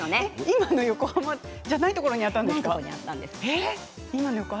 今の横浜ではないところにあったんですか？